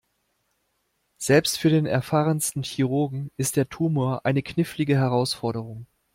Selbst für den erfahrensten Chirurgen ist der Tumor eine knifflige Herausforderung.